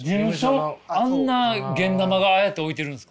あんなゲンナマがああやって置いてるんですか？